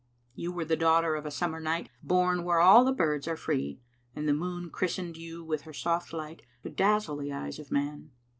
You were the daughter of a summer night, bom where all the birds are free, and the moon christened you with her soft light to dazzle the eyes of man.